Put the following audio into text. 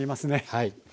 はい。